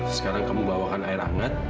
sekarang kamu membawakan air hangat